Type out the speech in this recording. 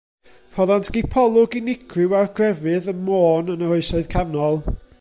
Rhoddant gipolwg unigryw ar grefydd ym Môn yn yr Oesoedd Canol.